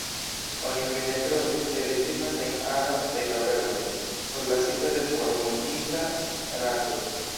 Oni fine trovis ke li vivas en aro de kavernoj, forlasita de formortinta raso.